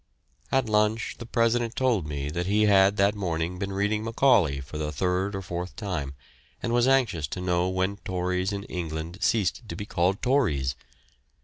At lunch the President told me that he had that morning been reading Macaulay for the third or fourth time, and was anxious to know when Tories in England ceased to be called Tories.